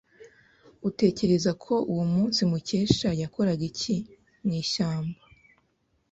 Utekereza ko uwo munsi Mukesha yakoraga iki mu ishyamba?